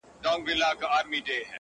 o تر دې ولاړي په خرپ نړېدلې ښه ده!